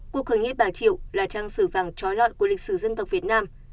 cuộc khởi nghĩa bà triệu là trang sử vàng trói lọi của lịch sử dân tộc việt nam